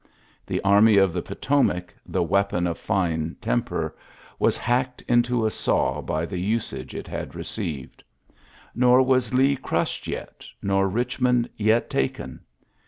The army of the Potomac, the weapon of fine temper, was hacked into a saw by the usage it had received. Nor was Lee crushed yet, nor Eichmond yet taken.